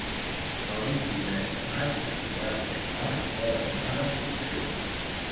El vint-i-tres de maig en Joan i en Marc volen anar d'excursió.